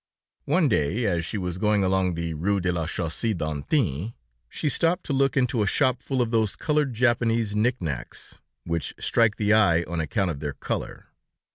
One day, as she was going along the Rue de la Chaussee d'Antin, she stopped to look into a shop full of those colored Japanese knick knacks, which strike the eye on account of their color.